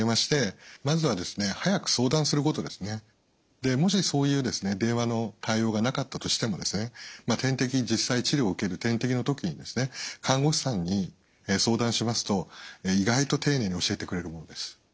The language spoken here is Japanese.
でもしそういう電話の対応がなかったとしても点滴実際治療を受ける点滴の時に看護師さんに相談しますと意外と丁寧に教えてくれるものです。